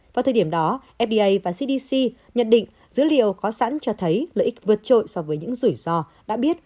vào thời điểm đó fda và cdc nhận định dữ liệu có sẵn cho thấy lợi ích vượt trội so với những rủi ro đã biết